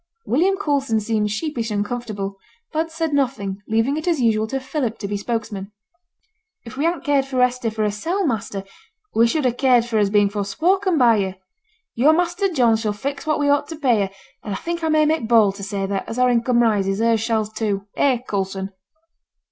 William Coulson seemed sheepish and uncomfortable, but said nothing, leaving it as usual to Philip to be spokesman. 'If we hadn't cared for Hester for hersel', master, we should ha' cared for her as being forespoken by yo'. Yo' and Master John shall fix what we ought t' pay her; and I think I may make bold to say that, as our income rises, hers shall too eh, Coulson?'